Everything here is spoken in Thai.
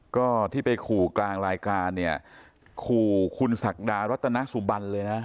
ก็ที่ไปขู่กลางรายการเนี่ยขู่คุณศักดารัตนสุบันเลยนะ